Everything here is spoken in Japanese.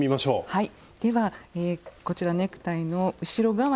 はい。